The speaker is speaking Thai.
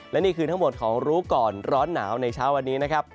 และนี่คือทั้งหมดของรู้ก่อนร้อนหนาวในเช้าวันนี้นะครับ